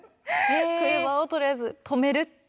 車をとりあえず止めるって。